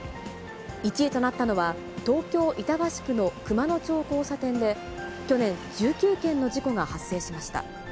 １位となったのは、東京・板橋区の熊野町交差点で、去年、１９件の事故が発生しました。